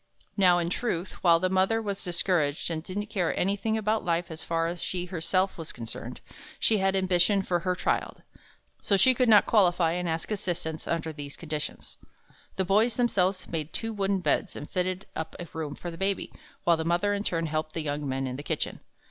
Now in truth, while the mother was discouraged and didn't care anything about life as far as she herself was concerned, she had ambition for her child, so she could not qualify and ask assistance under these conditions. The boys themselves made two wooden beds, and fitted up a room for the Baby, while the mother in turn helped the young men in the kitchen.